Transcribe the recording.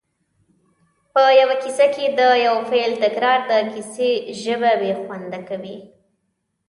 په یوه کیسه کې د یو فعل تکرار د کیسې ژبه بې خونده کوي